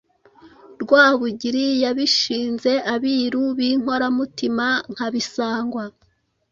Rwabugili yabishinze Abiru b’inkoramutima nka Bisangwa